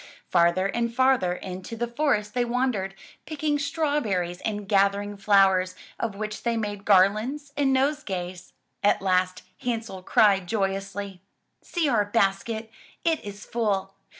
Farther and farther into the forest they wandered, picking straw berries and gathering flowers, of which they made garlands and nosegays. At last Hansel cried joyously: ''See our basket! It is full!